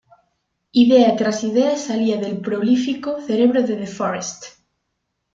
Idea tras idea salía del prolífico cerebro de De Forest.